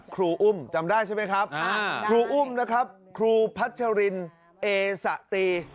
ครูอุ้มจำได้ใช่ไหมครับครูอุ้มนะครับครูพัชรินเอสะตี